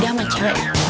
dia sama cewek